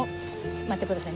待ってください。